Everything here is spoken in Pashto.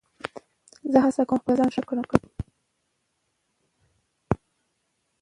زه هڅه کوم خپل ځان ښه کړم.